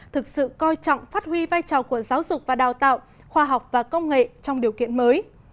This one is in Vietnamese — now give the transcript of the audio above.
thực sự coi trọng phát huy vai trò của giáo dục và đào tạo khoa học và công nghệ trong điều kiện mới